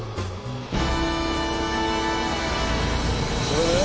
それで？